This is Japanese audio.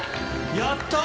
やったー！